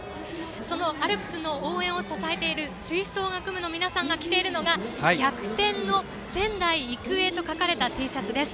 そのアルプスの応援を支えている吹奏楽部の皆さんが着ているのが「逆転の仙台育英！！」と書かれたＴシャツです。